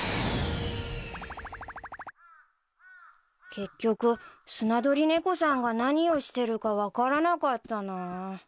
結局スナドリネコさんが何をしてるか分からなかったな。